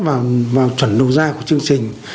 vào chuẩn đầu ra của chương trình